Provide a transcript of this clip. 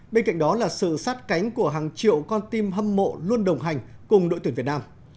bên cạnh đó là sự sát cánh của hàng triệu con tim hâm mộ luôn đồng hành cùng đội tuyển việt nam